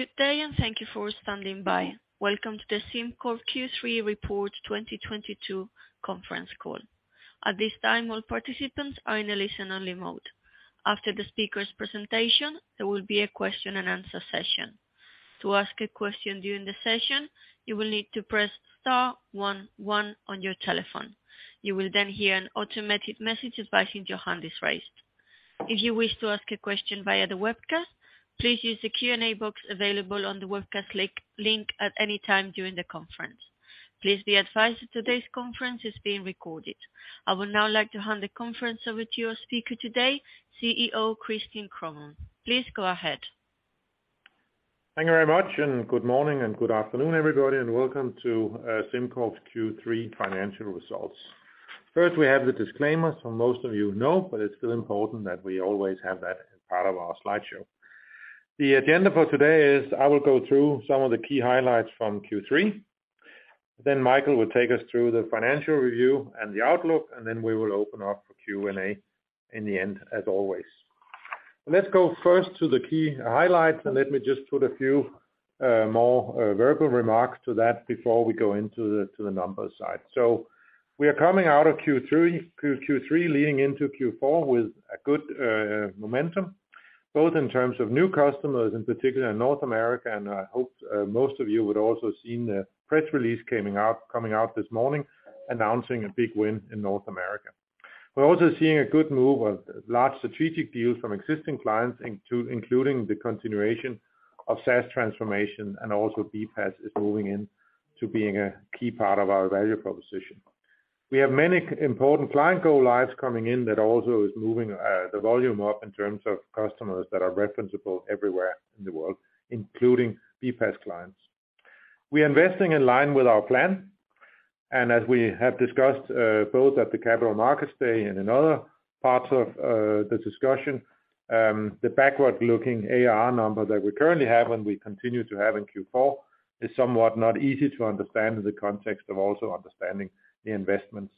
Good day and thank you for standing by. Welcome to the SimCorp Q3 Report 2022 conference call. At this time, all participants are in a listen-only mode. After the speaker's presentation, there will be a question-and-answer session. To ask a question during the session, you will need to press star one one on your telephone. You will then hear an automated message advising your hand is raised. If you wish to ask a question via the webcast, please use the Q&A box available on the webcast link at any time during the conference. Please be advised today's conference is being recorded. I would now like to hand the conference over to your speaker today, CEO Christian Kromann. Please go ahead. Thank you very much, and good morning and good afternoon, everybody, and welcome to SimCorp's Q3 financial results. First, we have the disclaimers who most of you know, but it's still important that we always have that as part of our slideshow. The agenda for today is I will go through some of the key highlights from Q3. Then Michael will take us through the financial review and the outlook, and then we will open up for Q&A in the end, as always. Let's go first to the key highlights, and let me just put a few more verbal remarks to that before we go into the numbers side. We are coming out of Q3 leading into Q4 with a good momentum, both in terms of new customers, in particular in North America. I hope most of you would also seen the press release coming out this morning announcing a big win in North America. We're also seeing a good move of large strategic deals from existing clients, including the continuation of SaaS transformation, and also BPaaS is moving in to being a key part of our value proposition. We have many important client go lives coming in that also is moving the volume up in terms of customers that are referenceable everywhere in the world, including BPaaS clients. We're investing in line with our plan, and as we have discussed both at the Capital Markets Day and in other parts of the discussion, the backward-looking ARR number that we currently have and we continue to have in Q4 is somewhat not easy to understand in the context of also understanding the investments.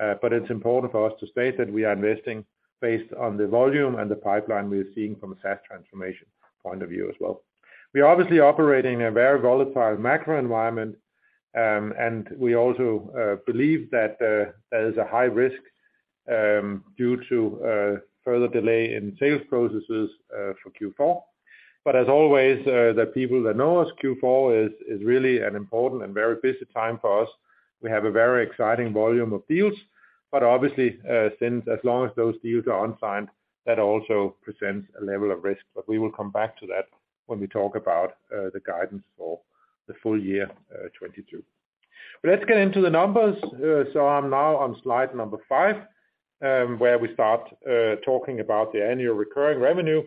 It's important for us to state that we are investing based on the volume and the pipeline we are seeing from a SaaS transformation point of view as well. We're obviously operating in a very volatile macro environment, and we also believe that there's a high risk due to further delay in sales processes for Q4. As always, the people that know us, Q4 is really an important and very busy time for us. We have a very exciting volume of deals, but obviously, since as long as those deals are unsigned, that also presents a level of risk. We will come back to that when we talk about the guidance for the full year 2022. Let's get into the numbers. I'm now on slide number five, where we start talking about the annual recurring revenue,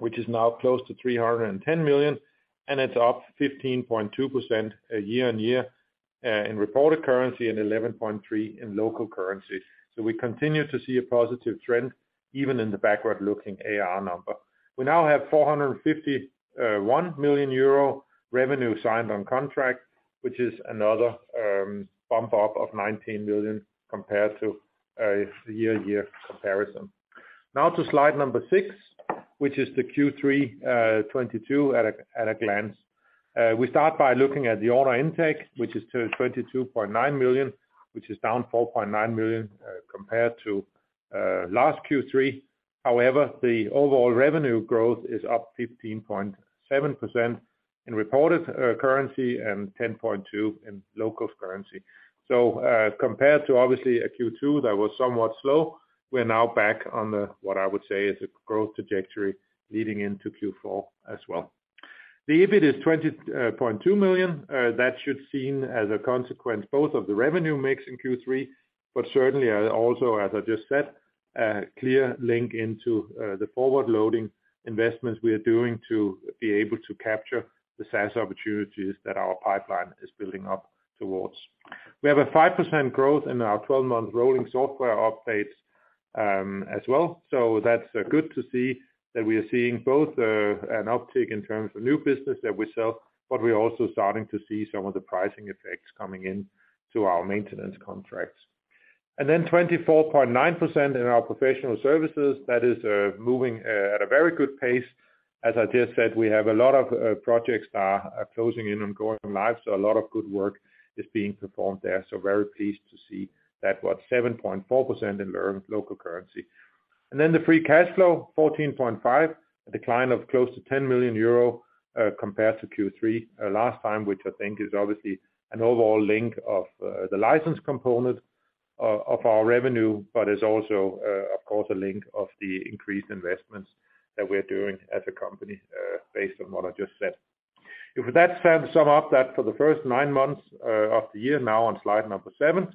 which is now close to 310 million, and it's up 15.2% year on year in reported currency and 11.3% in local currency. We continue to see a positive trend even in the backward-looking ARR number. We now have 451 million euro revenue signed on contract, which is another bump up of 19 million compared to year-on-year comparison. Now to slide number six, which is the Q3 2022 at a glance. We start by looking at the order intake, which is 22.9 million, which is down 4.9 million compared to last Q3. However, the overall revenue growth is up 15.7% in reported currency and 10.2% in local currency. Compared to obviously a Q2 that was somewhat slow, we're now back on the, what I would say is a growth trajectory leading into Q4 as well. The EBIT is 20.2 million. That should be seen as a consequence both of the revenue mix in Q3, but certainly also, as I just said, a clear link into the forward-loading investments we are doing to be able to capture the SaaS opportunities that our pipeline is building up towards. We have a 5% growth in our 12-month rolling software updates, as well. That's good to see that we are seeing both, an uptick in terms of new business that we sell, but we're also starting to see some of the pricing effects coming into our maintenance contracts. And then 24.9% in our professional services, that is, moving at a very good pace. As I just said, we have a lot of projects are closing in and going live, so a lot of good work is being performed there. Very pleased to see that, what 7.4% in local currency. The free cash flow, 14.5 million, a decline of close to 10 million euro, compared to Q3 last year, which I think is obviously an overall link of the license component of our revenue, but is also, of course, a link of the increased investments that we're doing as a company, based on what I just said. With that said, to sum up that for the first nine months of the year, now on slide number seven,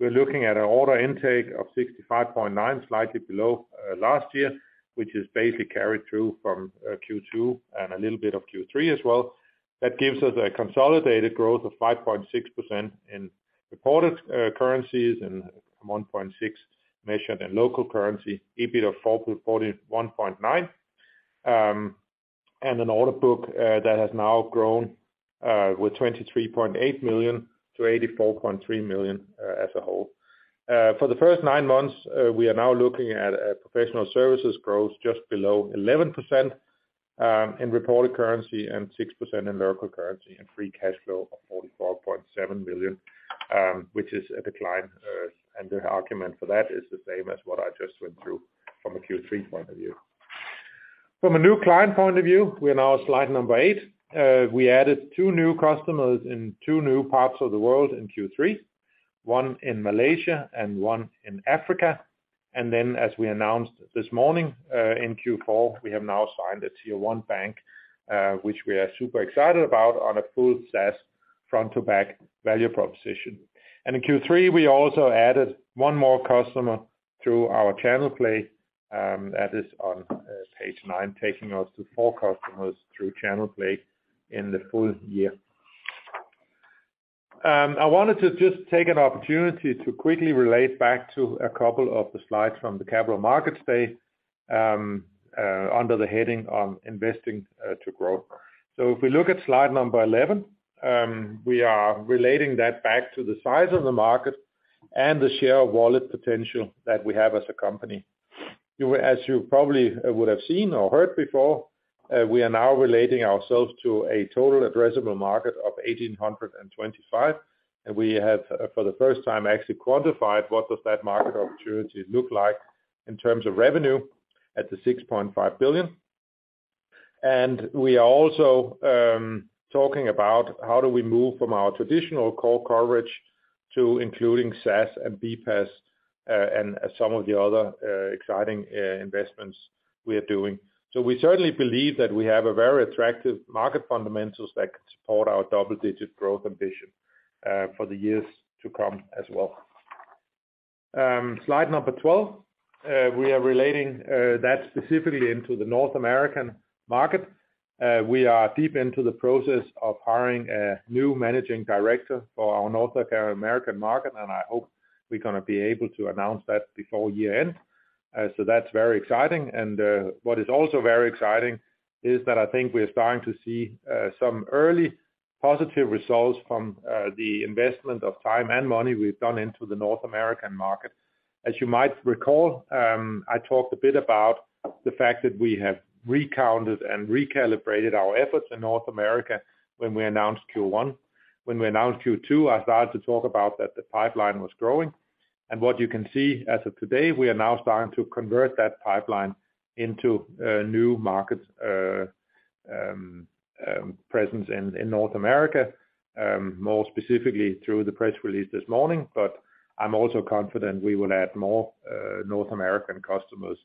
we're looking at an order intake of 65.9 million, slightly below last year, which is basically carried through from Q2 and a little bit of Q3 as well. That gives us a consolidated growth of 5.6% in reported currencies and 1.6% measured in local currency, EBIT of 41.9%, and an order book that has now grown by 23.8 million to 84.3 million as a whole. For the first nine months, we are now looking at a professional services growth just below 11% in reported currency and 6% in local currency, and free cash flow of 44.7 million, which is a decline, and the argument for that is the same as what I just went through from a Q3 point of view. From a new client point of view, we're now at slide number eight. We added two new customers in two new parts of the world in Q3, one in Malaysia and one in Africa. As we announced this morning, in Q4, we have now signed a tier-one bank, which we are super excited about on a full SaaS front to back value proposition. In Q3, we also added one more customer through our channel play, that is on page nine, taking us to four customers through channel play in the full year. I wanted to just take an opportunity to quickly relate back to a couple of the slides from the Capital Markets Day, under the heading on investing to growth. If we look at slide number 11, we are relating that back to the size of the market and the share of wallet potential that we have as a company. As you probably would have seen or heard before, we are now relating ourselves to a total addressable market of 1,825. We have, for the first time, actually quantified what does that market opportunity look like in terms of revenue at the 6.5 billion. We are also talking about how do we move from our traditional core coverage to including SaaS and BPaaS, and some of the other exciting investments we are doing. We certainly believe that we have a very attractive market fundamentals that could support our double-digit growth ambition for the years to come as well. Slide number 12. We are relating that specifically to the North American market. We are deep into the process of hiring a new managing director for our North American market, and I hope we're gonna be able to announce that before year-end. That's very exciting. What is also very exciting is that I think we're starting to see some early positive results from the investment of time and money we've put into the North American market. As you might recall, I talked a bit about the fact that we have recommitted and recalibrated our efforts in North America when we announced Q1. When we announced Q2, I started to talk about the fact that the pipeline was growing. What you can see as of today, we are now starting to convert that pipeline into a new market presence in North America, more specifically through the press release this morning. I'm also confident we will add more North American customers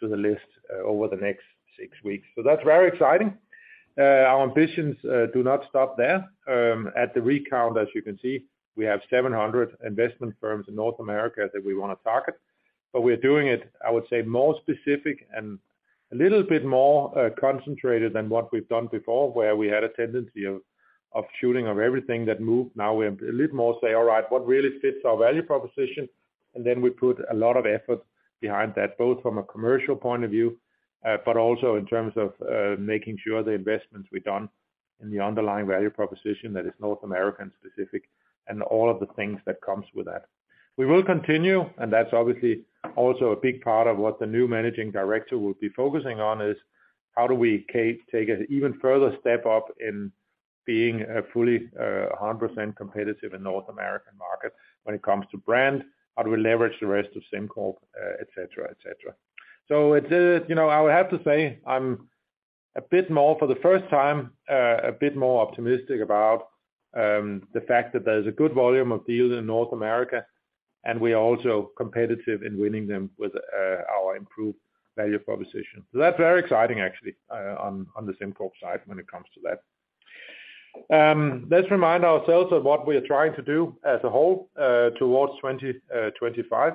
to the list over the next six weeks. That's very exciting. Our ambitions do not stop there. At the current count, as you can see, we have 700 investment firms in North America that we wanna target, but we're doing it, I would say, more specific and a little bit more concentrated than what we've done before, where we had a tendency of shooting at everything that moved. Now we have a little more say, "All right, what really fits our value proposition?" Then we put a lot of effort behind that, both from a commercial point of view, but also in terms of making sure the investments we've done in the underlying value proposition that is North American specific and all of the things that comes with that. We will continue, and that's obviously also a big part of what the new managing director will be focusing on is how do we take an even further step up in being fully 100% competitive in North American market when it comes to brand. How do we leverage the rest of SimCorp, et cetera, et cetera. It's, you know, I would have to say I'm a bit more, for the first time, a bit more optimistic about the fact that there's a good volume of deals in North America, and we are also competitive in winning them with our improved value proposition. That's very exciting actually on the SimCorp side when it comes to that. Let's remind ourselves of what we are trying to do as a whole towards 2025.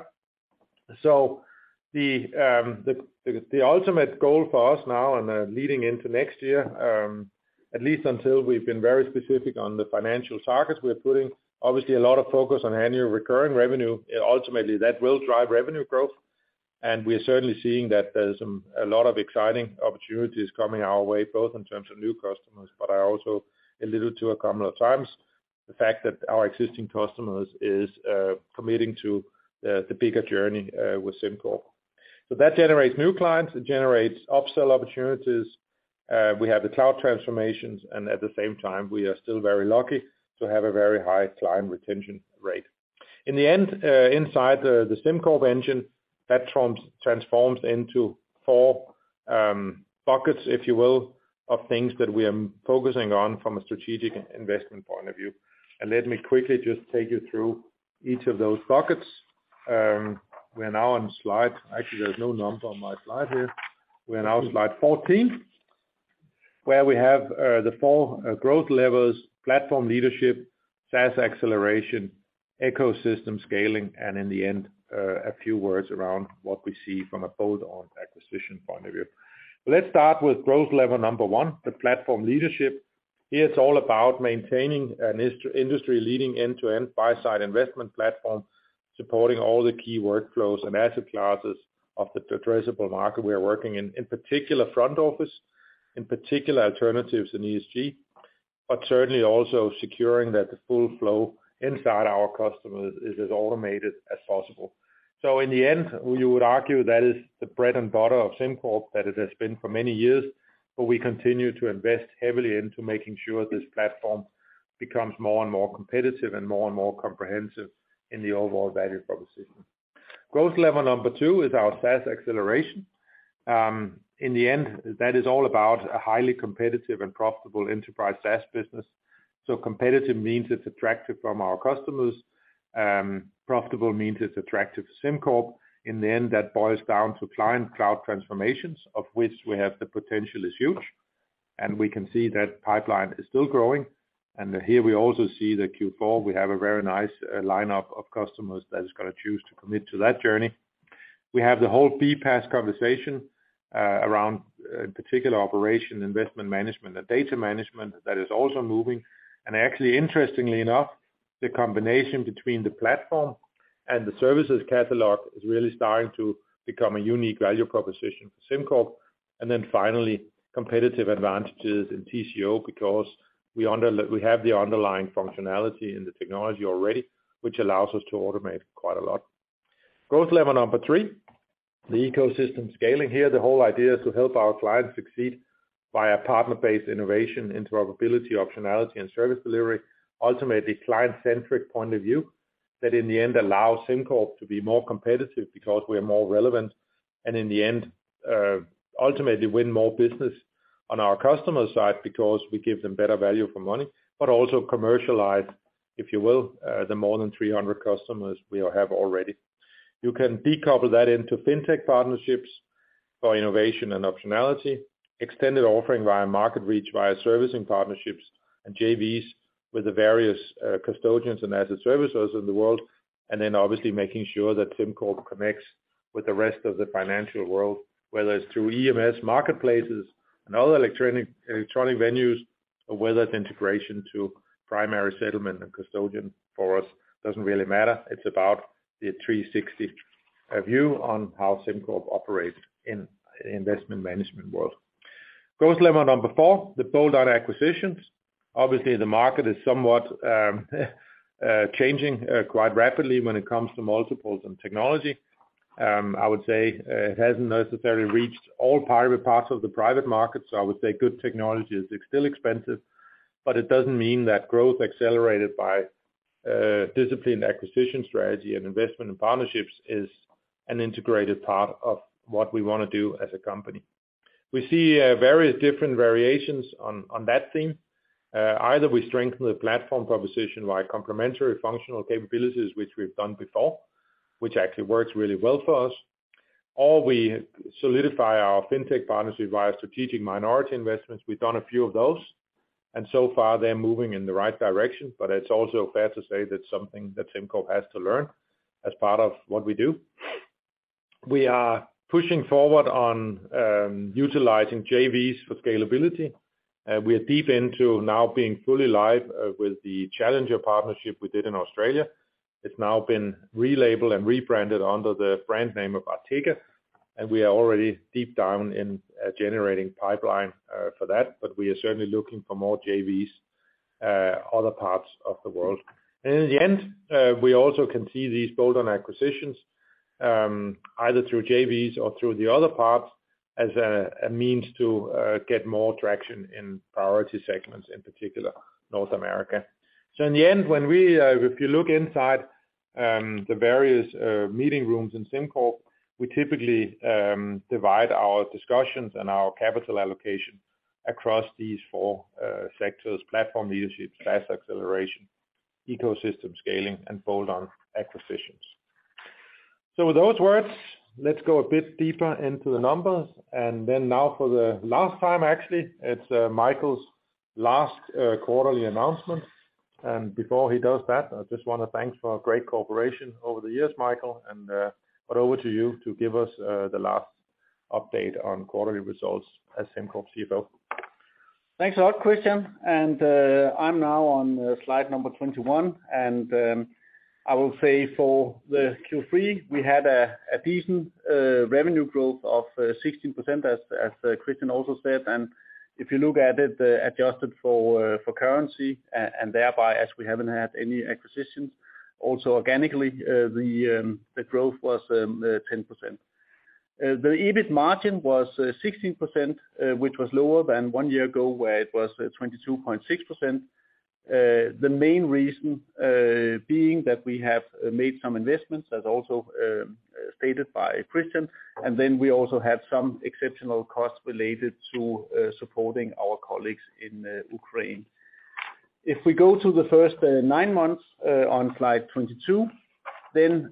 The ultimate goal for us now and leading into next year, at least until we've been very specific on the financial targets we're putting, obviously a lot of focus on annual recurring revenue. Ultimately, that will drive revenue growth. We are certainly seeing that there's a lot of exciting opportunities coming our way, both in terms of new customers. I also alluded to a couple of times the fact that our existing customers is committing to the bigger journey with SimCorp. That generates new clients, it generates upsell opportunities. We have the cloud transformations, and at the same time, we are still very lucky to have a very high client retention rate. In the end, inside the SimCorp engine, that transforms into four buckets, if you will, of things that we are focusing on from a strategic investment point of view. Let me quickly just take you through each of those buckets. We're now on slide. Actually, there's no number on my slide here. We're now on slide 14, where we have the four growth levers, platform leadership, SaaS acceleration, ecosystem scaling, and in the end a few words around what we see from a bolt-on acquisition point of view. Let's start with growth lever number one, the platform leadership. Here it's all about maintaining an industry-leading end-to-end buy-side investment platform. Supporting all the key workflows and asset classes of the addressable market we are working in particular front office, in particular alternatives in ESG, but certainly also securing that the full flow inside our customers is as automated as possible. In the end, we would argue that is the bread and butter of SimCorp, that it has been for many years, but we continue to invest heavily into making sure this platform becomes more and more competitive and more and more comprehensive in the overall value proposition. Growth lever number two is our SaaS acceleration. In the end, that is all about a highly competitive and profitable enterprise SaaS business. Competitive means it's attractive from our customers. Profitable means it's attractive to SimCorp. In the end, that boils down to client cloud transformations, of which we have the potential is huge, and we can see that pipeline is still growing. Here we also see that Q4, we have a very nice lineup of customers that is gonna choose to commit to that journey. We have the whole BPaaS conversation around, in particular, operation investment management and data management that is also moving. Actually, interestingly enough, the combination between the platform and the services catalog is really starting to become a unique value proposition for SimCorp. Finally, competitive advantages in TCO because we have the underlying functionality in the technology already, which allows us to automate quite a lot. Growth lever number three, the ecosystem scaling. Here, the whole idea is to help our clients succeed via partner-based innovation, interoperability, optionality, and service delivery. Ultimately, client-centric point of view that in the end allows SimCorp to be more competitive because we are more relevant, and in the end, ultimately win more business on our customer side because we give them better value for money, but also commercialize, if you will, the more than 300 customers we all have already. You can decouple that into fintech partnerships for innovation and optionality, extended offering via market reach servicing partnerships and JVs with the various custodians and asset services in the world, and then obviously making sure that SimCorp connects with the rest of the financial world, whether it's through EMS marketplaces and other electronic venues, or whether it's integration to primary settlement and custodian for us. It doesn't really matter. It's about the 360 view on how SimCorp operates in investment management world. Growth lever number four, the bolt-on acquisitions. Obviously, the market is somewhat changing quite rapidly when it comes to multiples and technology. I would say it hasn't necessarily reached all private parts of the private market, so I would say good technology is still expensive. It doesn't mean that growth accelerated by disciplined acquisition strategy and investment in partnerships is an integrated part of what we wanna do as a company. We see various different variations on that theme. Either we strengthen the platform proposition via complementary functional capabilities, which we've done before, which actually works really well for us, or we solidify our fintech partnership via strategic minority investments. We've done a few of those, and so far they're moving in the right direction, but it's also fair to say that's something that SimCorp has to learn as part of what we do. We are pushing forward on utilizing JVs with scalability. We are deep into now being fully live with the Challenger partnership we did in Australia. It's now been relabeled and rebranded under the brand name of Artega, and we are already deep down in generating pipeline for that. We are certainly looking for more JVs other parts of the world. In the end, we also can see these bolt-on acquisitions, either through JVs or through the other parts as a means to get more traction in priority segments, in particular North America. In the end, when we if you look inside the various meeting rooms in SimCorp, we typically divide our discussions and our capital allocation across these four sectors, platform leadership, SaaS acceleration, ecosystem scaling, and bolt-on acquisitions. With those words, let's go a bit deeper into the numbers. Then now for the last time, actually, it's Michael's last quarterly announcement. Before he does that, I just wanna thank for great cooperation over the years, Michael. Over to you to give us the last update on quarterly results as SimCorp CFO. Thanks a lot, Christian. I'm now on slide number 21. I will say for the Q3, we had a decent revenue growth of 16% as Christian also said. If you look at it, adjusted for currency, and thereby as we haven't had any acquisitions, also organically, the growth was 10%. The EBIT margin was 16%, which was lower than one year ago, where it was 22.6%. The main reason being that we have made some investments, as also stated by Christian, and then we also had some exceptional costs related to supporting our colleagues in Ukraine. If we go to the first nine months on slide 22, then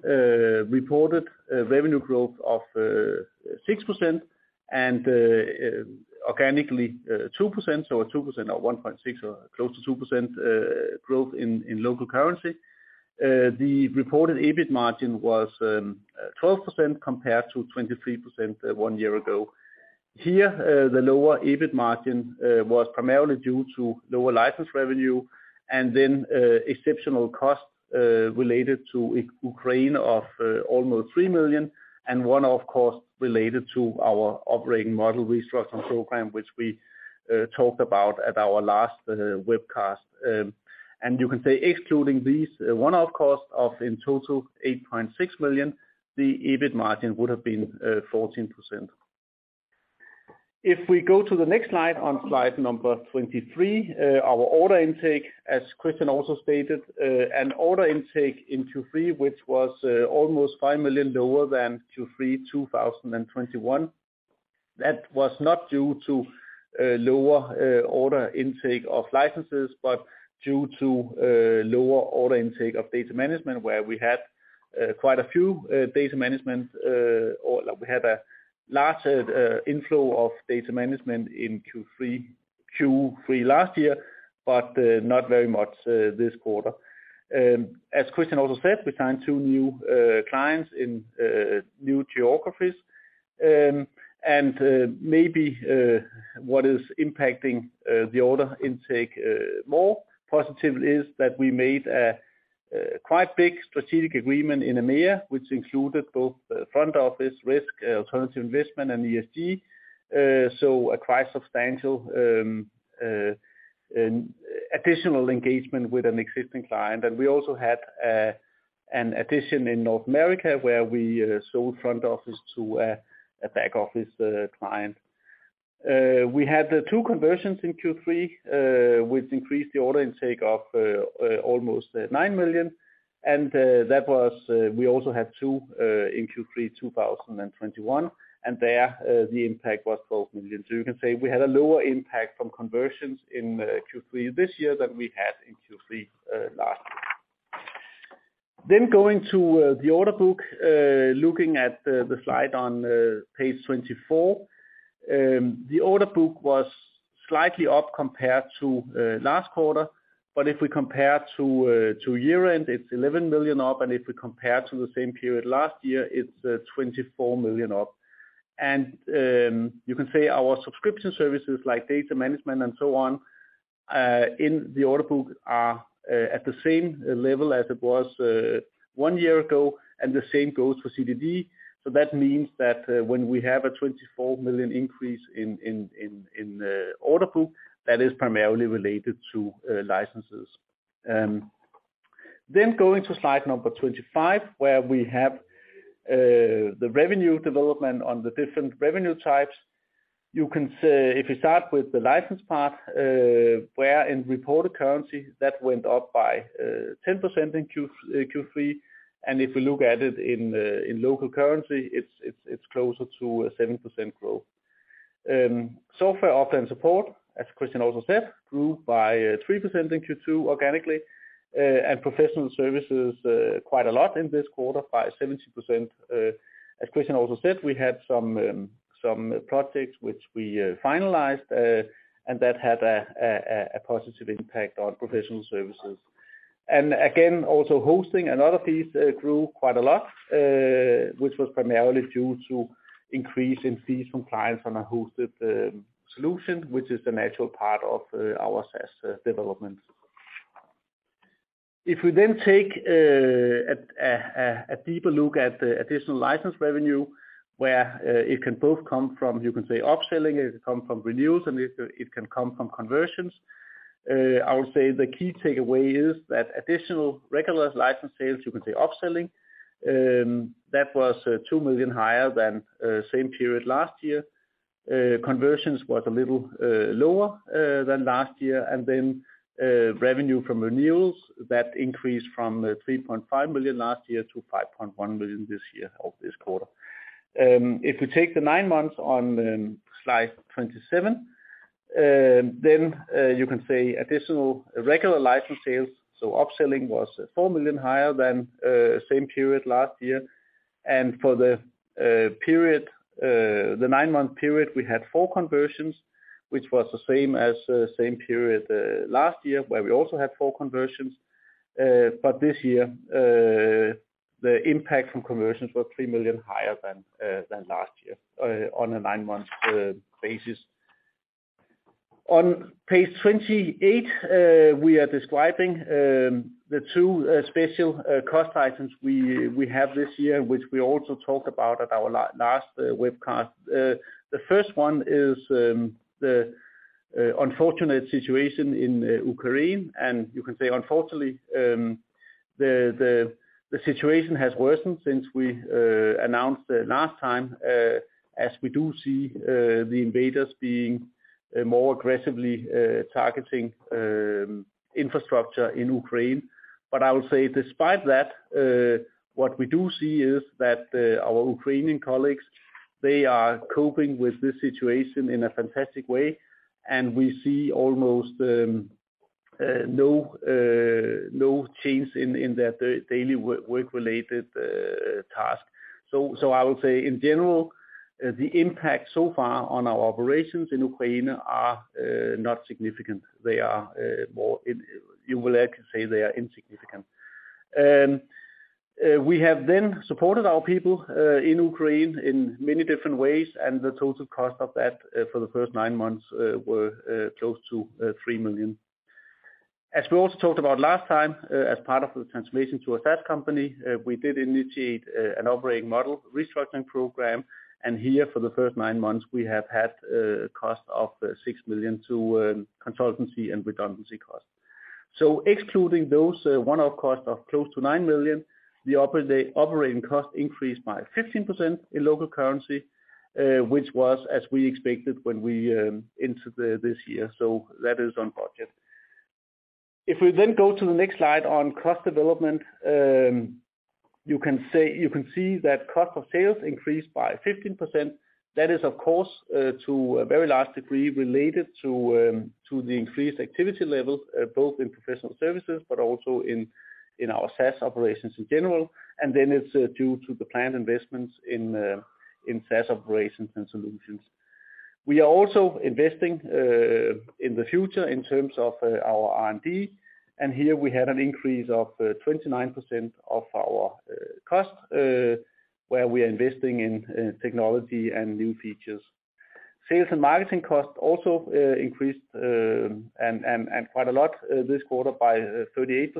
reported revenue growth of 6% and organically 2%, so 2% or 1.6% or close to 2% growth in local currency. The reported EBIT margin was 12% compared to 23% one year ago. Here, the lower EBIT margin was primarily due to lower license revenue and then exceptional costs related to Ukraine of almost 3 million, and one-off costs related to our operating model restructuring program, which we talked about at our last webcast. You can say excluding these one-off costs of in total 8.6 million, the EBIT margin would have been 14%. If we go to the next slide, on slide number 23, our order intake, as Christian also stated, an order intake in Q3, which was almost 5 million lower than Q3 2021. That was not due to lower order intake of licenses, but due to lower order intake of data management, where we had quite a few data management or we had a larger inflow of data management in Q3 last year, but not very much this quarter. As Christian also said, we signed two new clients in new geographies. Maybe what is impacting the order intake more positive is that we made a quite big strategic agreement in EMEA, which included both front office risk, alternative investment and ESG. A quite substantial additional engagement with an existing client. We also had an addition in North America where we sold front office to a back office client. We had two conversions in Q3, which increased the order intake of almost 9 million. We also had two in Q3 2021, and there the impact was 12 million. You can say we had a lower impact from conversions in Q3 this year than we had in Q3 last year. Going to the order book, looking at the slide on page 24. The order book was slightly up compared to last quarter, but if we compare to year-end, it's 11 million up, and if we compare to the same period last year, it's 24 million up. You can say our subscription services like data management and so on in the order book are at the same level as it was one year ago, and the same goes for CDD. That means that when we have a 24 million increase in the order book, that is primarily related to licenses. Going to slide number 25, where we have the revenue development on the different revenue types. You can say. If you start with the license part, where in reported currency that went up by 10% in Q3, and if you look at it in local currency, it's closer to a 7% growth. Software updates and support, as Christian also said, grew by 3% in Q2 organically, and professional services quite a lot in this quarter, by 17%. As Christian also said, we had some projects which we finalized, and that had a positive impact on professional services. Again, also hosting and other fees grew quite a lot, which was primarily due to increase in fees from clients on a hosted solution, which is a natural part of our SaaS development. If we then take a deeper look at the additional license revenue, where it can both come from, you can say upselling, it can come from renewals, and it can come from conversions. I would say the key takeaway is that additional regular license sales, you can say upselling, that was 2 million higher than same period last year. Conversions was a little lower than last year. Revenue from renewals, that increased from 3.5 million last year to 5.1 million this year of this quarter. If you take the nine months on slide 27, you can say additional regular license sales. Upselling was 4 million higher than same period last year. For the period, the nine-month period, we had four conversions, which was the same as same period last year, where we also had four conversions. This year, the impact from conversions was 3 million higher than last year on a nine-month basis. On page 28, we are describing the two special cost items we have this year, which we also talked about at our last webcast. The first one is the unfortunate situation in Ukraine. You can say unfortunately, the situation has worsened since we announced it last time, as we do see the invaders being more aggressively targeting infrastructure in Ukraine. I will say despite that, what we do see is that our Ukrainian colleagues they are coping with this situation in a fantastic way, and we see almost no change in their daily work-related tasks. I will say in general, the impact so far on our operations in Ukraine are not significant. They are. You will actually say they are insignificant. We have supported our people in Ukraine in many different ways, and the total cost of that for the first nine months were close to 3 million. As we also talked about last time, as part of the transformation to a SaaS company, we did initiate an operating model restructuring program. Here, for the first nine months, we have had cost of 6 million to consultancy and redundancy costs. Excluding those one-off costs of close to 9 million, the operating costs increased by 15% in local currency, which was as we expected when we entered this year. That is on budget. If we go to the next slide on cost development, you can see that cost of sales increased by 15%. That is, of course, to a very large degree related to the increased activity levels both in professional services but also in our SaaS operations in general. It is due to the planned investments in SaaS operations and solutions. We are also investing in the future in terms of our R&D, and here we had an increase of 29% of our costs where we are investing in technology and new features. Sales and marketing costs also increased and quite a lot this quarter by 38%.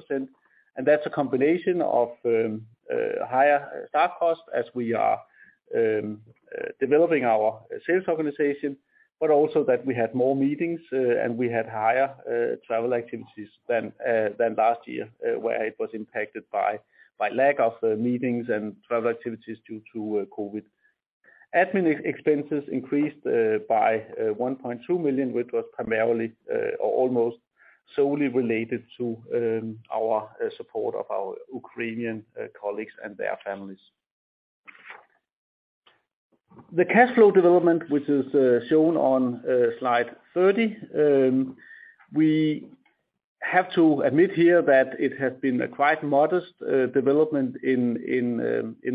That's a combination of higher staff costs as we are developing our sales organization, but also that we had more meetings and we had higher travel activities than last year where it was impacted by lack of meetings and travel activities due to COVID. Admin expenses increased by 1.2 million, which was primarily or almost solely related to our support of our Ukrainian colleagues and their families. The cash flow development, which is shown on slide 30, we have to admit here that it has been a quite modest development in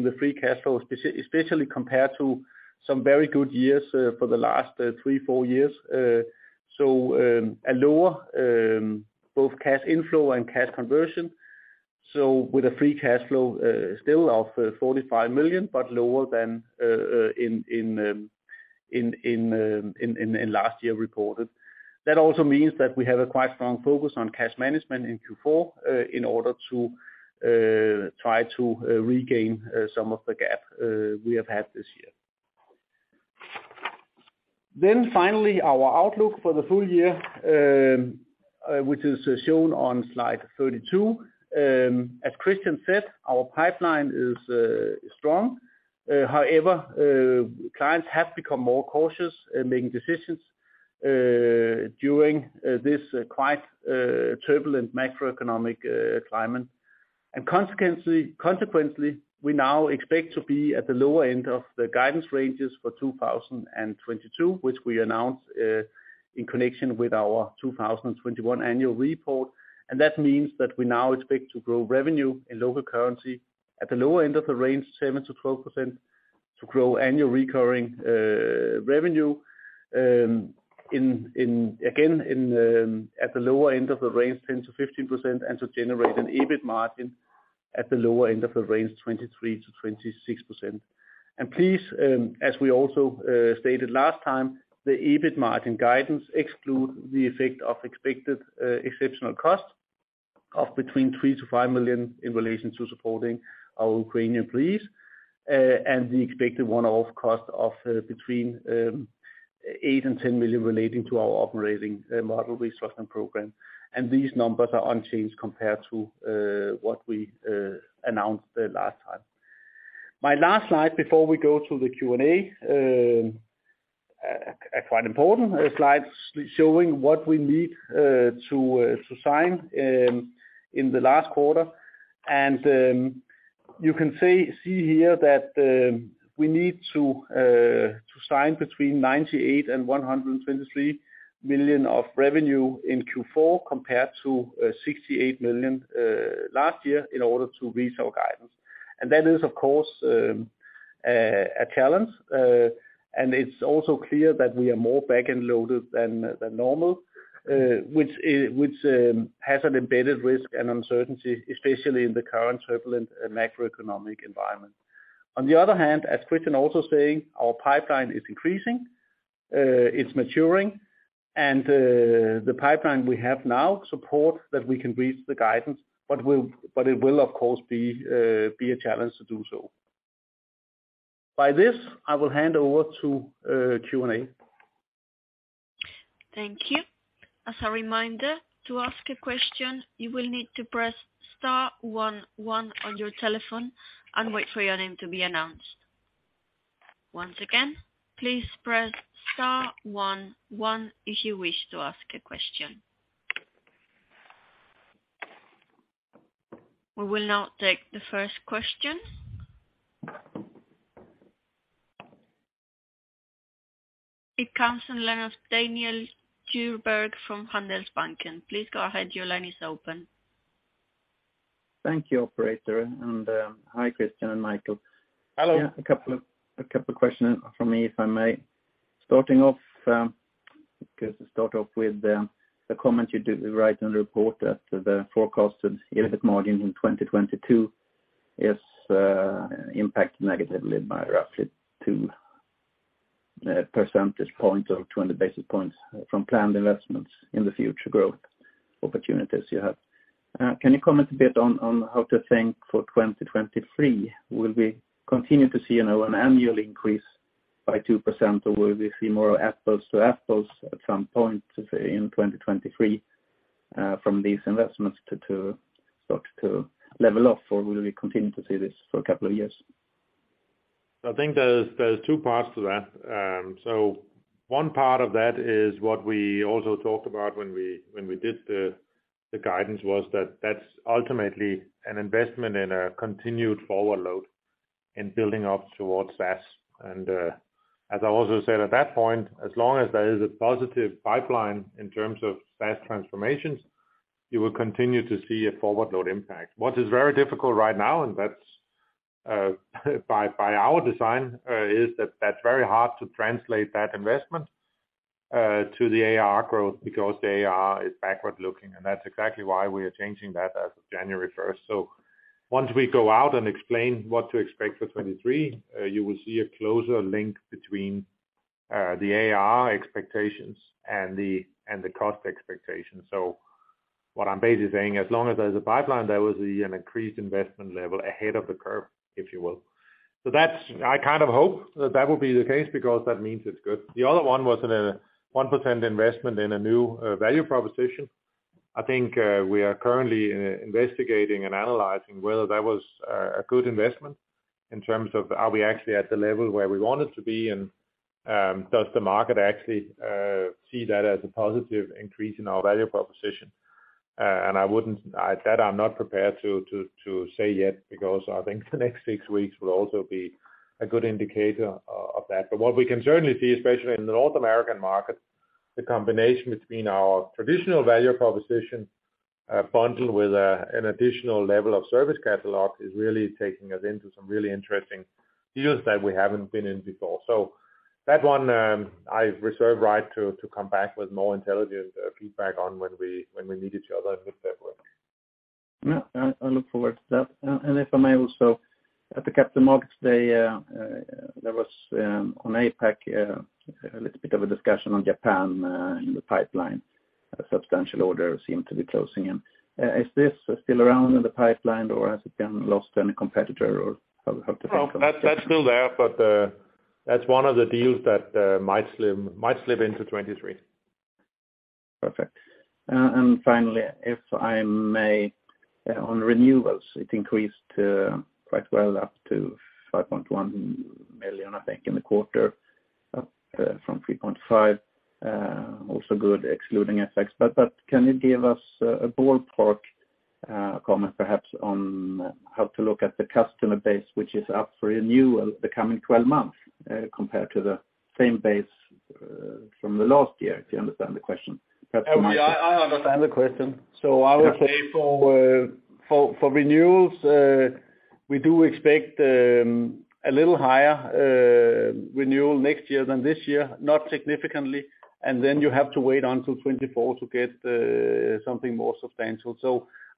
the free cash flow, especially compared to some very good years for the last three, four years. A lower both cash inflow and cash conversion, with a free cash flow still of 45 million, but lower than in last year reported. That also means that we have a quite strong focus on cash management in Q4, in order to try to regain some of the gap we have had this year. Finally, our outlook for the full year, which is shown on slide 32. As Christian said, our pipeline is strong. However, clients have become more cautious in making decisions during this quite turbulent macroeconomic climate. Consequently, we now expect to be at the lower end of the guidance ranges for 2022, which we announced in connection with our 2021 Annual Report. That means that we now expect to grow revenue in local currency at the lower end of the range, 7%-12%, to grow annual recurring revenue at the lower end of the range, 10%-15%, and to generate an EBIT margin at the lower end of the range, 23%-26%. Please, as we also stated last time, the EBIT margin guidance excludes the effect of expected exceptional costs of between 3 million-5 million in relation to supporting our Ukrainian employees, and the expected one-off cost of between 8 million and 10 million relating to our operating model restructuring program. These numbers are unchanged compared to what we announced the last time. My last slide before we go to the Q&A, quite important slide showing what we need to sign in the last quarter. You can see here that we need to sign between 98 million and 123 million of revenue in Q4 compared to 68 million last year in order to reach our guidance. That is, of course, a challenge. It's also clear that we are more back-end loaded than normal, which has an embedded risk and uncertainty, especially in the current turbulent macroeconomic environment. On the other hand, as Christian also saying, our pipeline is increasing, it's maturing, and the pipeline we have now supports that we can reach the guidance, but it will of course be a challenge to do so. By this, I will hand over to Q&A. Thank you. As a reminder, to ask a question, you will need to press star one one on your telephone and wait for your name to be announced. Once again, please press star one one if you wish to ask a question. We will now take the first question. It comes in line of Daniel Djurberg from Handelsbanken. Please go ahead, your line is open. Thank you, operator. Hi, Christian and Michael. Hello. A couple of questions from me, if I may. Starting off, Just to start off with, the comment you do write in the report that the forecasted EBIT margin in 2022 is impacted negatively by roughly 2 percentage points or 200 basis points from planned investments in the future growth opportunities you have. Can you comment a bit on how to think for 2023? Will we continue to see an annual increase by 2% or will we see more apples-to-apples at some point, say, in 2023, from these investments to start to level off, or will we continue to see this for a couple of years? I think there's two parts to that. One part of that is what we also talked about when we did the guidance, was that that's ultimately an investment in a continued forward load in building up towards SaaS. As I also said at that point, as long as there is a positive pipeline in terms of SaaS transformations, you will continue to see a forward load impact. What is very difficult right now, and that's by our design, is that that's very hard to translate that investment to the ARR growth because the ARR is backward-looking, and that's exactly why we are changing that as of January 1st. Once we go out and explain what to expect for 2023, you will see a closer link between the ARR expectations and the cost expectations. What I'm basically saying, as long as there's a pipeline, there will be an increased investment level ahead of the curve, if you will. That's. I kind of hope that will be the case because that means it's good. The other one was in a 1% investment in a new value proposition. I think we are currently investigating and analyzing whether that was a good investment in terms of are we actually at the level where we wanted to be, and does the market actually see that as a positive increase in our value proposition? That I'm not prepared to say yet because I think the next six weeks will also be a good indicator of that. What we can certainly see, especially in the North American market, the combination between our traditional value proposition, bundled with an additional level of service catalog is really taking us into some really interesting deals that we haven't been in before. That one, I reserve the right to come back with more intelligent feedback on when we meet each other in mid-February. Yeah. I look forward to that. If I may also, at the Capital Markets Day, there was, on APAC, a little bit of a discussion on Japan in the pipeline. A substantial order seemed to be closing in. Is this still around in the pipeline or has it been lost to any competitor or have to- No. That's still there, but that's one of the deals that might slip into 2023. Perfect. Finally, if I may, on renewals, it increased quite well up to 5.1 million, I think, in the quarter, up from 3.5 million. Also good, excluding FX. But can you give us a ballpark comment perhaps on how to look at the customer base, which is up for renewal the coming 12 months, compared to the same base from the last year, if you understand the question? Perhaps Michael- Yeah. I understand the question. I would say for renewals, we do expect a little higher renewal next year than this year, not significantly. You have to wait until 2024 to get something more substantial.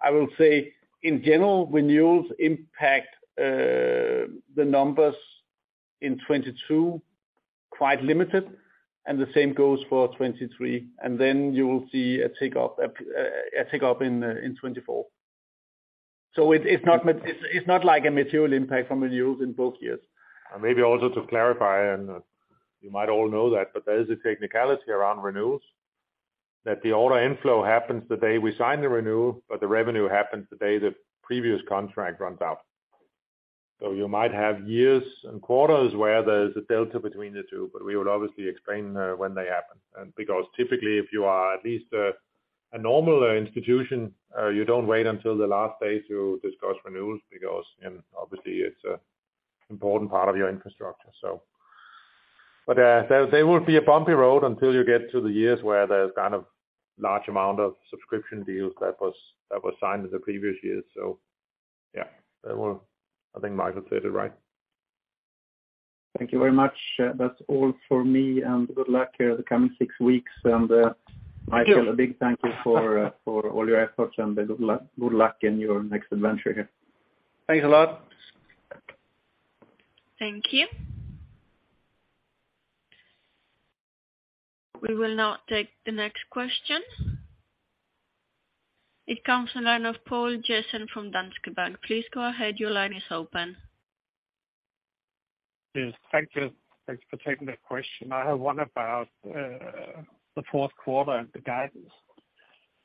I will say in general, renewals impact the numbers in 2022 quite limited, and the same goes for 2023. You will see a tick up in 2024. It's not like a material impact from renewals in both years. Maybe also to clarify, you might all know that, but there is a technicality around renewals, that the order inflow happens the day we sign the renewal, but the revenue happens the day the previous contract runs out. You might have years and quarters where there's a delta between the two, but we would obviously explain when they happen. Because typically, if you are at least a normal institution, you don't wait until the last day to discuss renewals because, you know, obviously it's an important part of your infrastructure. There will be a bumpy road until you get to the years where there's kind of large amount of subscription deals that was signed in the previous years. Yeah, that will. I think Michael said it right. Thank you very much. That's all for me, and good luck, the coming six weeks. Michael- Thank you. A big thank you for all your efforts and good luck in your next adventure here. Thanks a lot. Thank you. We will now take the next question. It comes from the line of Poul Jessen from Danske Bank. Please go ahead. Your line is open. Yes. Thank you. Thanks for taking the question. I have one about the fourth quarter and the guidance.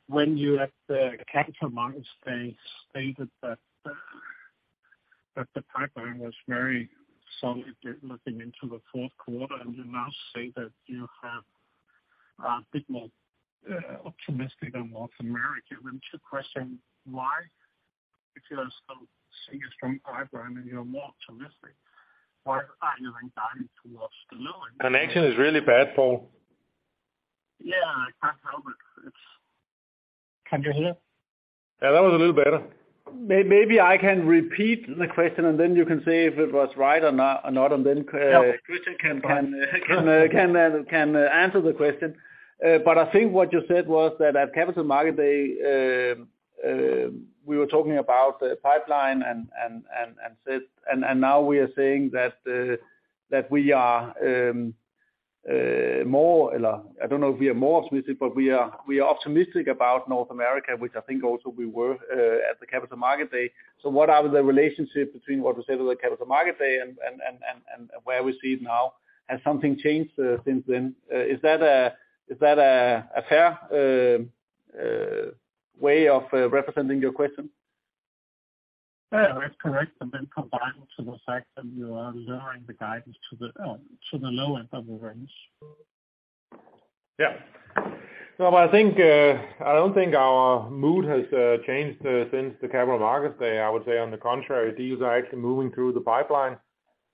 When you at the Capital Markets Day stated that the pipeline was very solid looking into the fourth quarter, and you now say that you have a bit more optimistic on North America. Two questions. Why, if you are still seeing a strong pipeline and you're more optimistic, why are you then guiding towards the low end? Connection is really bad, Poul. Yeah. Can you hear? Yeah, that was a little better. Maybe I can repeat the question, and then you can say if it was right or not, and then. Yeah. Christian can answer the question. But I think what you said was that at Capital Markets Day, we were talking about the pipeline and sales. Now we are saying that we are more. I don't know if we are more optimistic, but we are optimistic about North America, which I think also we were at the Capital Markets Day. What is the relationship between what we said at the Capital Markets Day and where we see it now? Has something changed since then? Is that a fair way of representing your question? Yeah, that's correct. Coupled with the fact that you are lowering the guidance to the low end of the range. Yeah. No, I think I don't think our mood has changed since the Capital Markets Day. I would say on the contrary, deals are actually moving through the pipeline.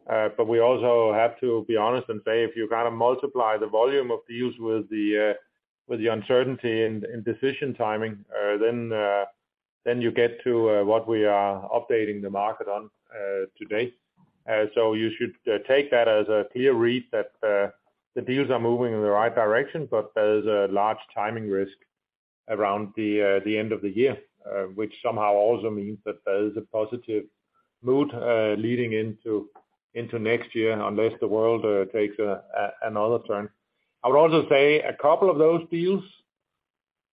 We also have to be honest and say, if you kind of multiply the volume of deals with the uncertainty in decision timing, then you get to what we are updating the market on today. You should take that as a clear read that the deals are moving in the right direction, but there's a large timing risk around the end of the year, which somehow also means that there is a positive mood leading into next year, unless the world takes another turn. I would also say a couple of those deals,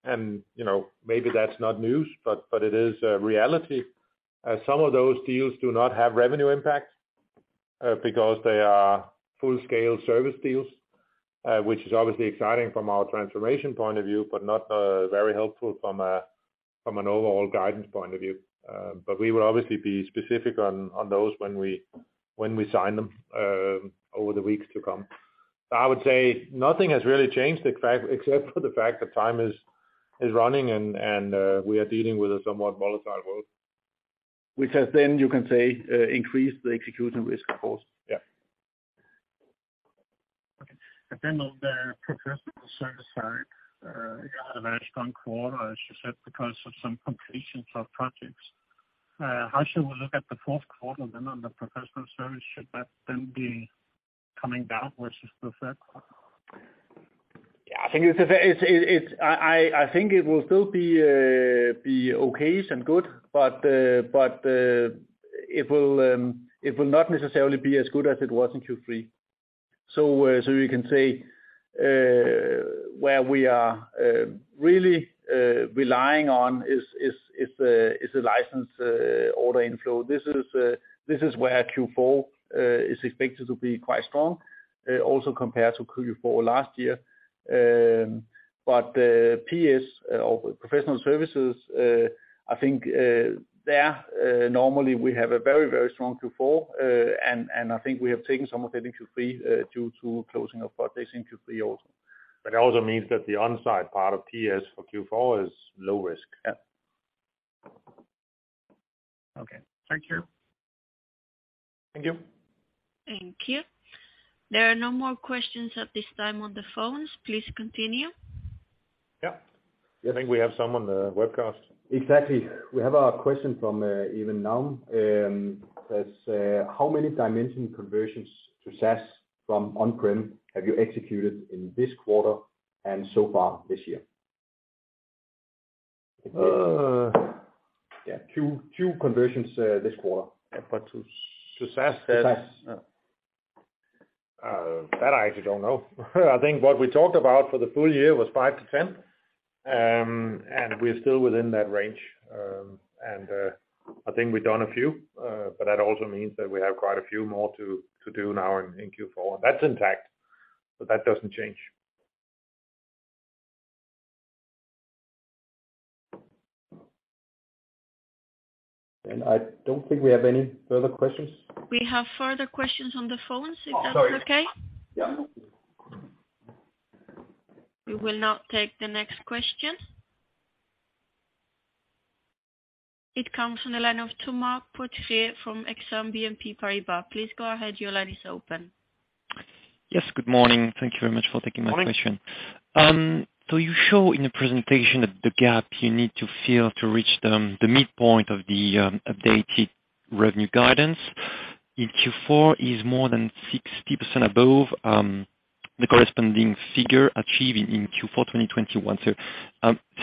you know, maybe that's not news, but it is a reality. Some of those deals do not have revenue impact because they are full-scale service deals, which is obviously exciting from our transformation point of view, but not very helpful from an overall guidance point of view. We will obviously be specific on those when we sign them over the weeks to come. I would say nothing has really changed except for the fact that time is running and we are dealing with a somewhat volatile world. Which has then, you can say, increased the execution risk, of course. Yeah. Okay. Then on the professional service side, you had a very strong quarter, as you said, because of some completions of projects. How should we look at the fourth quarter then on the professional service? Should that then be coming down versus the third quarter? Yeah, I think it will still be okay and good, but it will not necessarily be as good as it was in Q3. You can say where we are really relying on is the license order inflow. This is where Q4 is expected to be quite strong, also compared to Q4 last year. PS or professional services, I think there normally we have a very strong Q4. I think we have taken some of that in Q3 due to closing of projects in Q3 also. It also means that the on-site part of PS for Q4 is low risk. Yeah. Okay. Thank you. Thank you. Thank you. There are no more questions at this time on the phones. Please continue. Yeah. I think we have some on the webcast. Exactly. We have a question from [Evan Nahm]. Says, "How many Dimension conversions to SaaS from on-prem have you executed in this quarter and so far this year? Uh. Yeah. Two conversions this quarter. To SaaS, that's. To SaaS. That I actually don't know. I think what we talked about for the full year was five to 10. We're still within that range. I think we've done a few, but that also means that we have quite a few more to do now in Q4. That's intact, but that doesn't change. I don't think we have any further questions. We have further questions on the phone, if that's okay. Oh, sorry. Yeah. We will now take the next question. It comes from the line of Thomas Poutrieux from Exane BNP Paribas. Please go ahead. Your line is open. Yes. Good morning. Thank you very much for taking my question. Morning. You show in the presentation that the gap you need to fill to reach the midpoint of the updated revenue guidance in Q4 is more than 60% above the corresponding figure achieved in Q4 2021.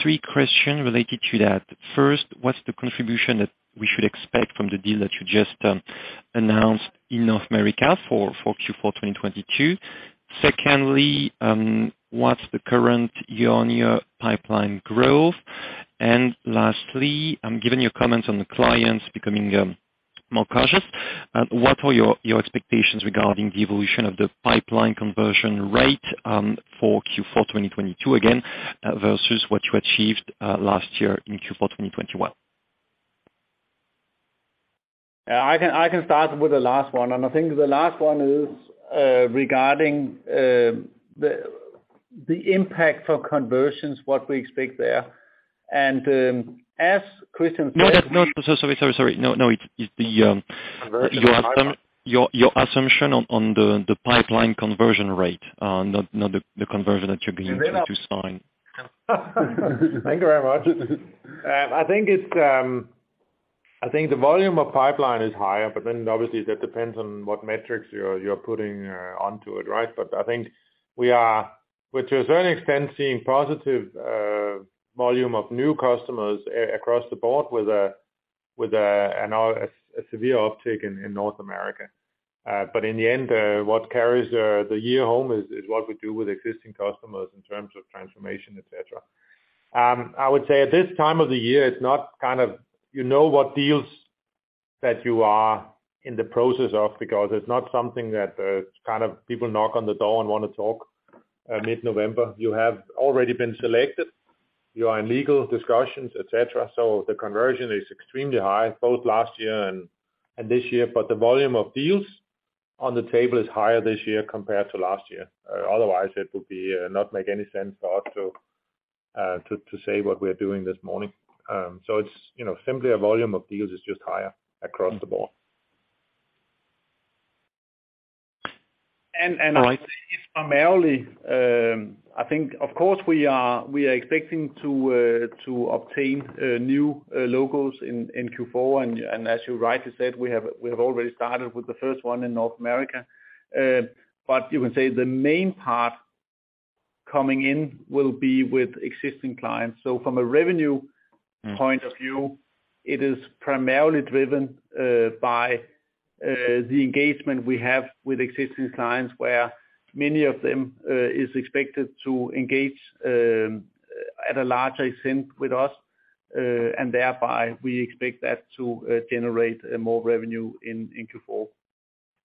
Three questions related to that. First, what's the contribution that we should expect from the deal that you just announced in North America for Q4 2022? Secondly, what's the current year-on-year pipeline growth? And lastly, given your comments on the clients becoming more cautious, what are your expectations regarding the evolution of the pipeline conversion rate for Q4 2022, again versus what you achieved last year in Q4 2021? Yeah, I can start with the last one. I think the last one is regarding the impact for conversions, what we expect there. As Christian said. No, that's not. Sorry. No, it's the Conversion- Your assum- Pipeline. Your assumption on the pipeline conversion rate, not the conversion that you're beginning to sign. Thank you very much. I think it's. I think the volume of pipeline is higher, but then obviously that depends on what metrics you're putting onto it, right? I think we are, which is very extensive, positive, volume of new customers across the board with a severe uptake in North America. In the end, what carries the year home is what we do with existing customers in terms of transformation, et cetera. I would say at this time of the year, it's not kind of, you know what deals that you are in the process of because it's not something that kind of people knock on the door and wanna talk mid-November. You have already been selected. You are in legal discussions, et cetera. The conversion is extremely high, both last year and this year. The volume of deals on the table is higher this year compared to last year. Otherwise, it would not make any sense for us to say what we are doing this morning. It's, you know, simply a volume of deals is just higher across the board. It's primarily, I think of course we are expecting to obtain new logos in Q4. As you rightly said, we have already started with the first one in North America. You can say the main part coming in will be with existing clients. From a revenue point of view, it is primarily driven by the engagement we have with existing clients, where many of them is expected to engage at a larger extent with us. Thereby, we expect that to generate more revenue in Q4.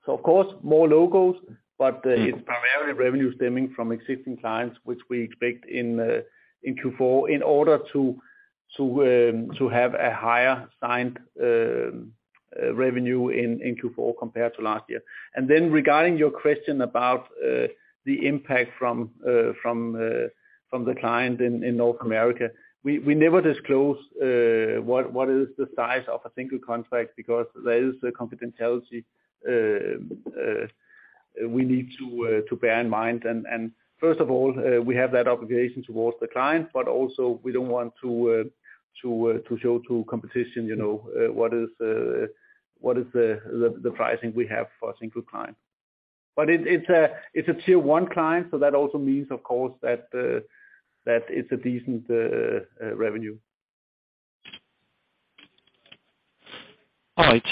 Of course, more logos, but it's primarily revenue stemming from existing clients, which we expect in Q4 in order to have a higher signed revenue in Q4 compared to last year. Regarding your question about the impact from the client in North America, we never disclose what is the size of a single contract because there is a confidentiality we need to bear in mind. First of all, we have that obligation towards the client, but also we don't want to show to competition, you know, what is the pricing we have for a single client. It is a tier-one client, so that also means, of course, that it is a decent revenue. All right.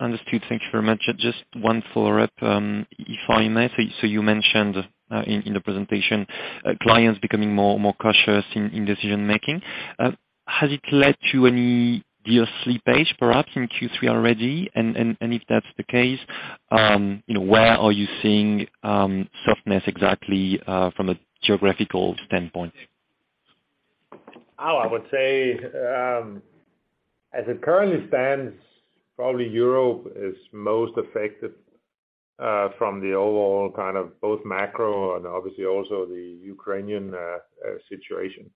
Understood. Thank you very much. Just one follow-up, if I may. You mentioned in the presentation clients becoming more cautious in decision-making. Has it led to any deal slippage, perhaps in Q3 already? If that's the case, you know, where are you seeing softness exactly, from a geographical standpoint? Oh, I would say as it currently stands, probably Europe is most affected from the overall kind of both macro and obviously also the Ukrainian situation.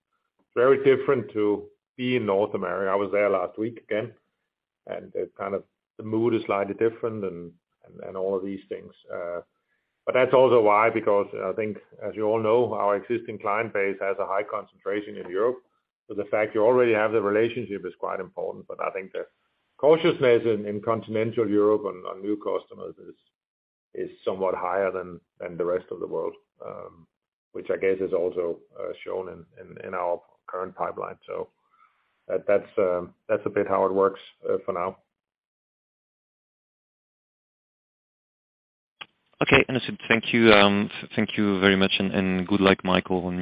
Very different to be in North America. I was there last week again, and it kind of the mood is slightly different and all of these things. That's also why, because I think, as you all know, our existing client base has a high concentration in Europe. The fact you already have the relationship is quite important. I think the cautiousness in continental Europe on new customers is somewhat higher than the rest of the world, which I guess is also shown in our current pipeline. That's a bit how it works for now. Okay. Understood. Thank you. Thank you very much. Good luck, Michael, on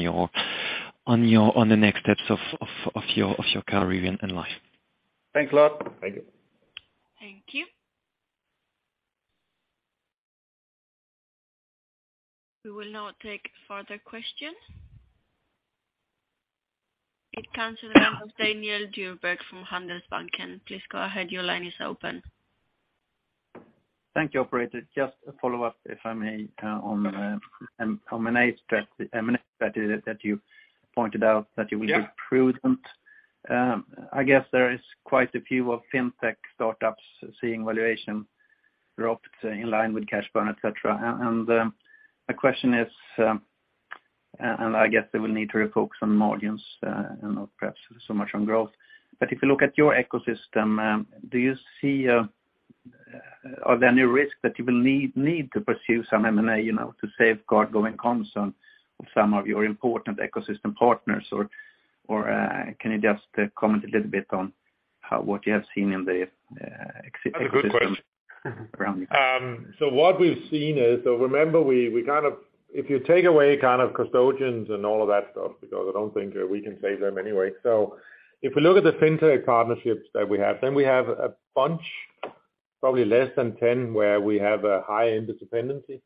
the next steps of your career in life. Thanks a lot. Thank you. Thank you. We will now take further questions. It comes in the line of Daniel Djurberg from Handelsbanken. Please go ahead. Your line is open. Thank you, operator. Just a follow-up, if I may, on M&A strategy that you pointed out that you will be prudent. I guess there is quite a few of fintech startups seeing valuation dropped in line with cash burn, et cetera. My question is, and I guess they will need to refocus on margins, and not perhaps so much on growth. If you look at your ecosystem, do you see, are there any risks that you will need to pursue some M&A, you know, to safeguard going concern of some of your important ecosystem partners? Can you just comment a little bit on how, what you have seen in the ecosystem around you? That's a good question. What we've seen is. Remember, if you take away kind of custodians and all of that stuff because I don't think we can save them anyway. If we look at the fintech partnerships that we have, then we have a bunch, probably less than 10, where we have a high interdependency,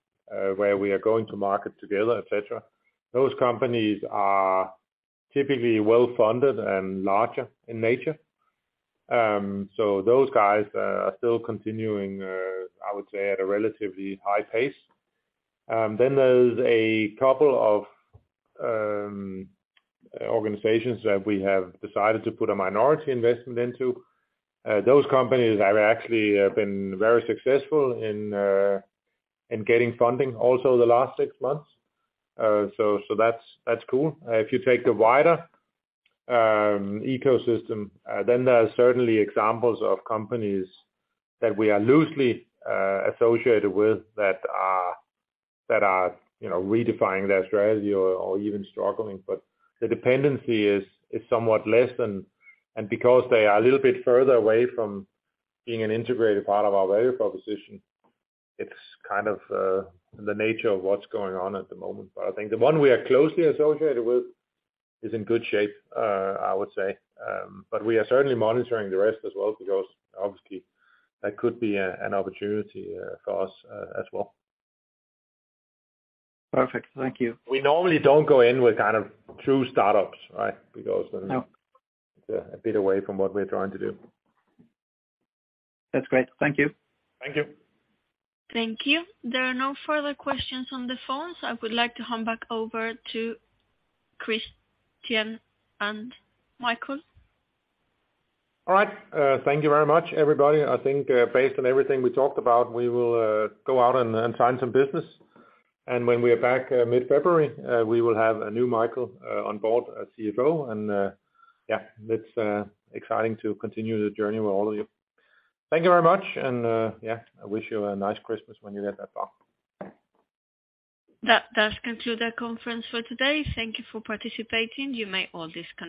where we are going to market together, et cetera. Those companies are typically well-funded and larger in nature. Those guys are still continuing, I would say, at a relatively high pace. Then there's a couple of organizations that we have decided to put a minority investment into. Those companies have actually been very successful in getting funding also the last six months. That's cool. If you take the wider ecosystem, then there are certainly examples of companies that we are loosely associated with that are, you know, redefining their strategy or even struggling. The dependency is somewhat less than. Because they are a little bit further away from being an integrated part of our value proposition, it's kind of the nature of what's going on at the moment. I think the one we are closely associated with is in good shape, I would say. We are certainly monitoring the rest as well because obviously that could be an opportunity for us as well. Perfect. Thank you. We normally don't go in with kind of true startups, right? Because then. No. It's a bit away from what we're trying to do. That's great. Thank you. Thank you. Thank you. There are no further questions on the phone. I would like to hand back over to Christian and Michael. All right. Thank you very much, everybody. I think, based on everything we talked about, we will go out and sign some business. When we are back mid-February, we will have a new Michael on board as CFO. Yeah, it's exciting to continue the journey with all of you. Thank you very much. Yeah, I wish you a nice Christmas when you get that far. That does conclude our conference for today. Thank you for participating. You may all disconnect.